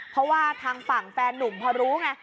เพราะว่าทางฝั่งแฟนนุ่มพอรู้ไง